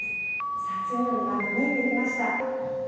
さあ次の庭が見えてきました。